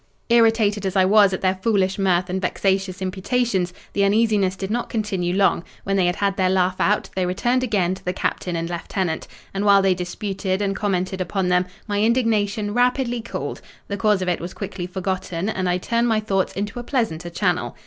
Irritated as I was at their foolish mirth and vexatious imputations, the uneasiness did not continue long: when they had had their laugh out, they returned again to the captain and lieutenant; and, while they disputed and commented upon them, my indignation rapidly cooled; the cause of it was quickly forgotten, and I turned my thoughts into a pleasanter channel.